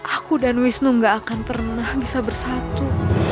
aku dan wisnu gak akan pernah bisa bersatu